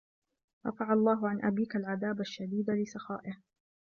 رَفَعَ اللَّهُ عَنْ أَبِيك الْعَذَابَ الشَّدِيدَ لِسَخَائِهِ